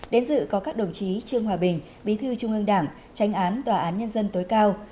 đến dự có các đồng chí trương hòa bình bí thư trung ương đảng tránh án tòa án nhân dân tối cao